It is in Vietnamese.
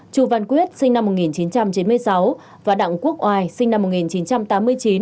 chu văn quyết sinh năm một nghìn chín trăm chín mươi sáu và đặng quốc oai sinh năm một nghìn chín trăm tám mươi chín